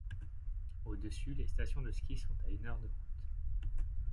Au-dessus, les stations de ski sont à une heure de route.